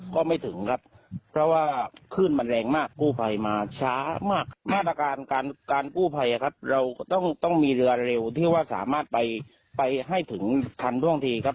การคู่ภัยครับเราต้องมีเรือเร็วที่ว่าสามารถไปให้ถึงทันท่วงทีครับ